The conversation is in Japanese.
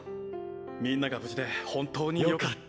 みんなが無事で本当によかった。